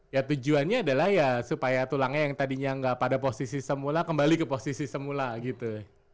ya tujuannya adalah ya supaya tulangnya yang tadinya nggak pada posisi semula kembali ke posisi semula gitu